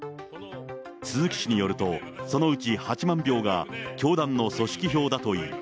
鈴木氏によると、そのうち８万票が教団の組織票だという。